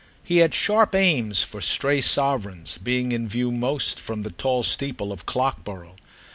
He had sharp aims for stray sovereigns, being in view most from the tall steeple of Clockborough.